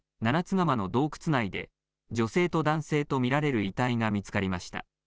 釜の洞窟内で女性と男性と見られる遺体が見つかりました。